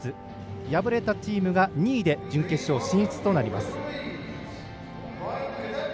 敗れたチームが２位で準決勝進出となります。